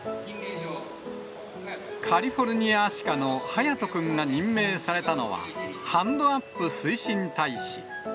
カリフォルニアアシカのハヤトくんが任命されたのは、ハンドアップ推進大使。